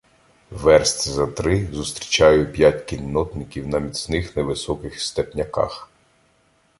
Верст за три зустрічаю п'ять кіннотників на міцних невисоких степняках.